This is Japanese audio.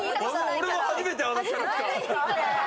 俺も初めてあのキャラクター。